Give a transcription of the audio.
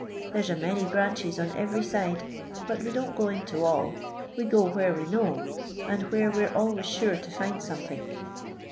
There 's a many branches on ivery side, but we don't go into all; we go where we know, and where we're always sure to find somethink.